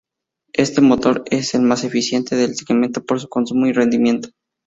Este motor es el más eficiente del segmento por su consumo y rendimiento.